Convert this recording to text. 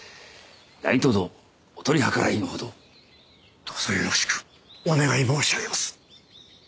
何とぞお取りはからいのほどどうぞよろしくお願い申し上げます